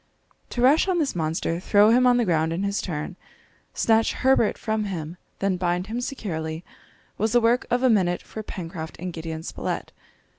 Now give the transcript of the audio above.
To rush on this monster, throw him on the ground in his turn, snatch Herbert from him, then bind him securely, was the work of a minute for Pencroft and Gideon Spilett.